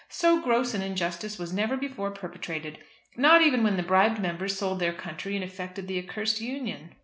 So gross an injustice was never before perpetrated not even when the bribed members sold their country and effected the accursed Union."